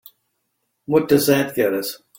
What does that get us?